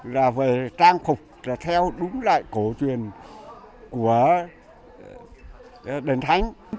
là về trang phục theo đúng lại cổ truyền của